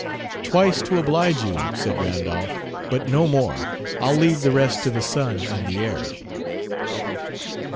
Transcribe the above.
"Twice, to oblige you," said Randolph. "But no more. I'll leave the rest to the sun and the air."